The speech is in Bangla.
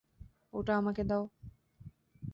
ওটা আমাকে দাও!